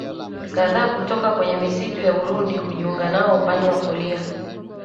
kadhaa kutoka kwenye misitu ya Burundi hujiunga nao upande wa kulia